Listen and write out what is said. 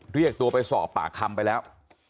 เรียกตัวไปสอบปากคำไปแล้ว